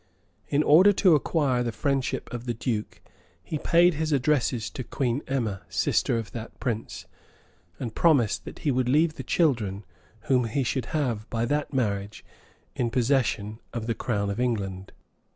In order to acquire the friendship of the duke, he paid his addresses to Queen Emma, sister of that prince; and promised that he would leave the children, whom he should have by that marriage, in possession of the crown of England.